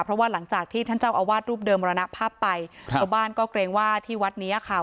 เพราะว่าหลังจากที่ท่านเจ้าอาวาสรูปเดิมมรณภาพไปครับชาวบ้านก็เกรงว่าที่วัดเนี้ยค่ะ